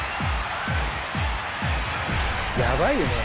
「やばいよね」